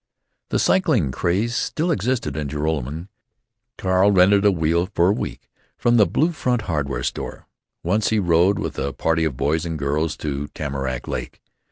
The cycling craze still existed in Joralemon. Carl rented a wheel for a week from the Blue Front Hardware Store. Once he rode with a party of boys and girls to Tamarack Lake.